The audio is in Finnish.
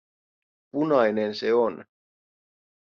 Punainen se on.